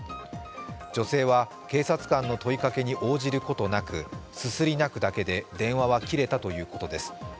女性は警察官の問いかけに応じることなくすすり泣くだけで、電話は切れたということです。